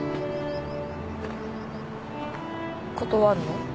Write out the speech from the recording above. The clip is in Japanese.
断るの？